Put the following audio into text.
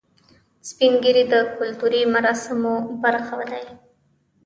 سپین ږیری د کلتوري مراسمو برخه دي